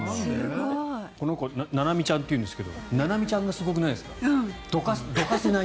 この子ななみちゃんっていうんですけどななみちゃんがすごくないですか。